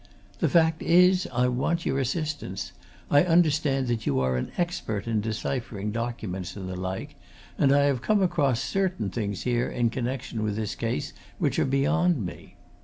The fact is, I want your assistance I understand that you are an expert in deciphering documents and the like, and I have come across certain things here in connection with this case which are beyond me.